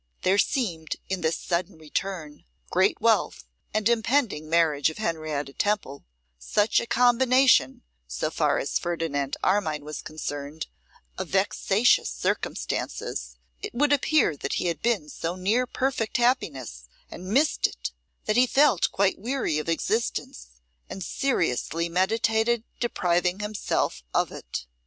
There seemed, in this sudden return, great wealth, and impending marriage of Henrietta Temple, such a combination, so far as Ferdinand Armine was concerned, of vexatious circumstances; it would appear that he had been so near perfect happiness and missed it, that he felt quite weary of existence, and seriously meditated depriving himself of it.